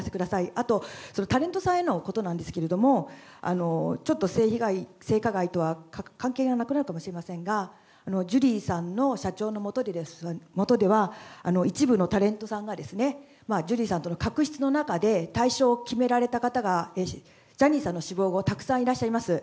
あと、タレントさんへのことなんですけれども、ちょっと性被害、性加害とは関係がなくなるかもしれませんが、ジュリーさんの社長の下では、一部のタレントさんが、ジュリーさんとの確執の中で退所を決められた方が、ジャニーさんの死亡後、たくさんいらっしゃいます。